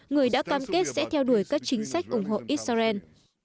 người đã cam kết sẽ theo đuổi các chính sách ủng hộ israel